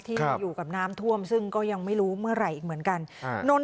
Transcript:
ที่อยู่กับน้ำท่วมซึ่งก็ยังไม่รู้เมื่อไหร่อีกเหมือนกัน